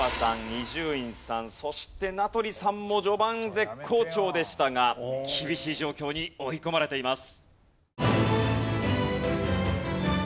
伊集院さんそして名取さんも序盤絶好調でしたが厳しい状況に追い込まれています。